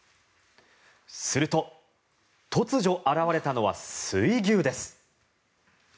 すると、突如現れたのは水牛です。